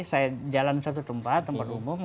saya jalan satu tempat tempat umum